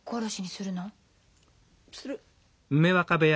する。